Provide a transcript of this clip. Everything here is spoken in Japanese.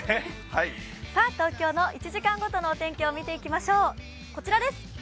東京の１時間ごとの天気を見ていきましょう。